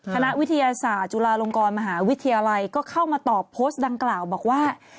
คณะวิทยาศาสตร์จุฬาลงกรมหาวิทยาลัยก็เข้ามาตอบโพสต์ดังกล่าวบอกว่า